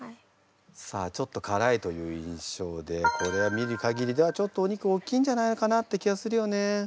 さあちょっとからいという印象でこれを見る限りではちょっとお肉大きいんじゃないかなって気がするよね。